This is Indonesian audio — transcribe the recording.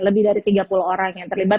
lebih dari tiga puluh orang yang terlibat